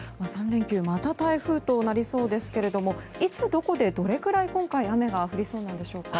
３連休、また台風となりそうですけれどもいつ、どこで、どれくらい今回雨が降りそうなんでしょうか。